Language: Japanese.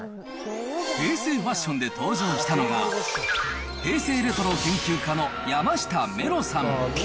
平成ファッションで登場したのが、平成レトロ研究家の山下メロさん。